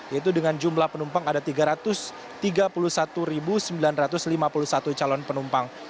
yaitu dengan jumlah penumpang ada tiga ratus tiga puluh satu sembilan ratus lima puluh satu calon penumpang